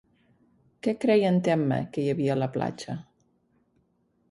Què creia en Temme que hi havia a la platja?